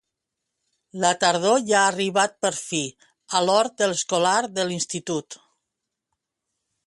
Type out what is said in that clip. La tardor ja ha arribat per fi a l'hort escolar de l'Institut.